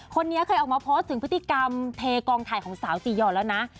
คนนี้เคยออกมาโพสต์ถึงพฤติกรรมเทกองถ่ายของสาวจียอนแล้วนะ